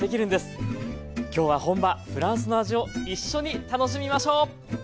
今日は本場フランスの味を一緒に楽しみましょう！